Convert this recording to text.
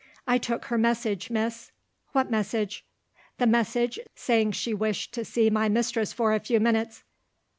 "I took her message, Miss." "What message?" "The message, saying she wished to see my mistress for a few minutes."